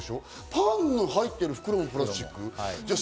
パンの入ってる袋もプラスチックでしょう？